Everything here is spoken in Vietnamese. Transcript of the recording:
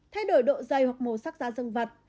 thay đổi độ dày hoặc màu sắc da dân vật